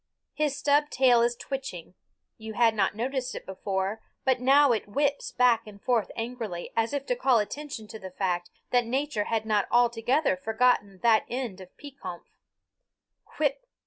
His stub tail is twitching you had not noticed it before, but now it whips back and forth angrily, as if to call attention to the fact that Nature had not altogether forgotten that end of Pekompf.